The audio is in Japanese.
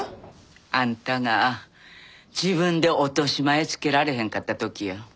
あんたが自分で落とし前つけられへんかった時や。